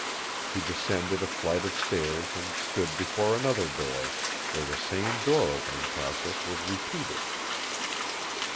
He descended a flight of stairs and stood before another door, where the same door opening process was repeated.